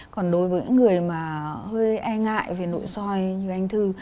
còn đối với những người mà hơi e ngại về nội soi như anh thư